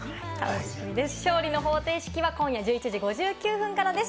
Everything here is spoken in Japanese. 『勝利の法廷式』は今夜１１時５９分からです。